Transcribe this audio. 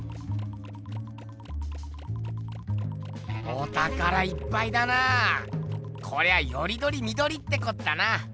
おたからいっぱいだな。こりゃよりどりみどりってこったな。